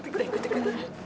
tunggu tunggu tunggu